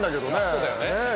そうだよね。